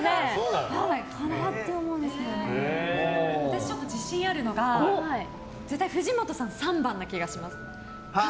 私ちょっと自信あるのが藤本さん３番な気がします。